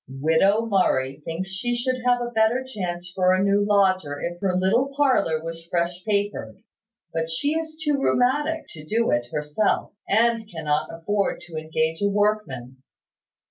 "Widow Murray thinks she should have a better chance for a new lodger if her little parlour was fresh papered; but she is too rheumatic to do it herself, and cannot afford to engage a workman.